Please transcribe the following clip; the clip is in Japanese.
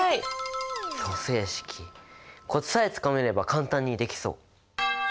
組成式コツさえつかめれば簡単にできそう！